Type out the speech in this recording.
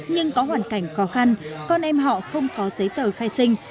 nhưng có hoàn cảnh khó khăn con em họ không có giấy tờ khai sinh